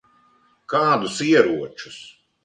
Kādus ieročus?